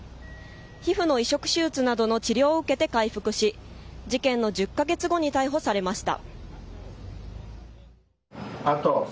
皮膚の移植手術などの治療を受けて回復し事件の１０か月後に逮捕されました。